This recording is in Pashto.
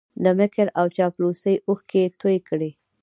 د مکر او چاپلوسۍ اوښکې یې توی کړې